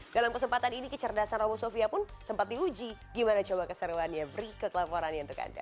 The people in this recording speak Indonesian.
dalam kesempatan ini kecerdasan robosofia pun sempat diuji gimana coba keseruannya berikut laporannya untuk anda